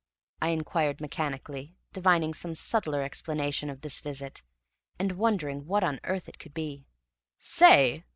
I inquired mechanically, divining some subtler explanation of this visit, and wondering what on earth it could be. "Say?"